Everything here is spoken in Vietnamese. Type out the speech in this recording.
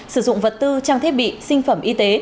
sử dụng vật tư trang thiết bị sinh phẩm y tế